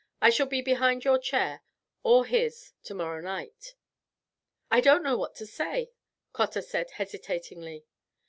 I shall be behind your chair or his tomorrow night." "I don't know what to say," Cotter said hesitatingly.